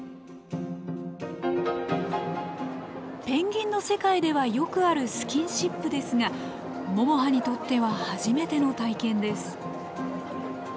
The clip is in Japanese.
ペンギンの世界ではよくあるスキンシップですがももはにとっては初めての体験です。